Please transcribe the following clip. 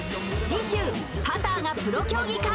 次週パターがプロ競技化